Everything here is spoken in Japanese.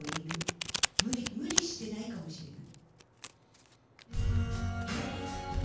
無理してないかもしれない。